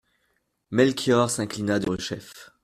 Melchior s'inclina derechef.